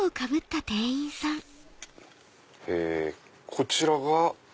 こちらが。